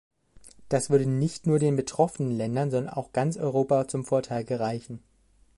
Das würde nicht nur den betroffenen Ländern, sondern auch ganz Europa zum Vorteil gereichen.